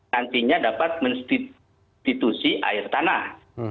nantinya dapat menstitusi air tanah